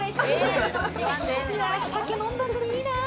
酒飲んだ後に、いいな。